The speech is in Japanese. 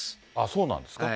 そうなんですか。